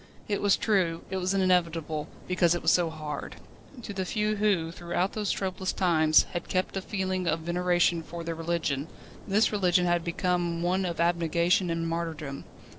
It was true, it was inevitable, because it was so hard. To the few who, throughout those troublous times, had kept a feeling of veneration for their religion, this religion had become one of abnegation and martyrdom.